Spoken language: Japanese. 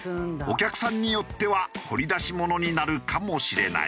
お客さんによっては掘り出し物になるかもしれない。